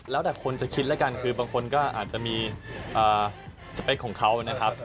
แล้วแต่คนจะคิดแล้วกันคือบางคนก็อาจจะมีสเปคของเขานะครับ